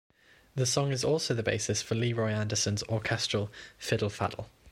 The song is also the basis for Leroy Anderson's orchestral "Fiddle Faddle".